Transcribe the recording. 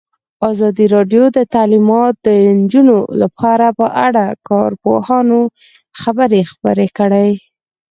ازادي راډیو د تعلیمات د نجونو لپاره په اړه د کارپوهانو خبرې خپرې کړي.